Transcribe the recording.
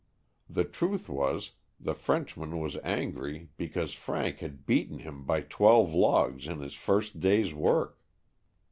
The truth was the French man was angry because Frank had beaten him by twelve logs in his first day's work.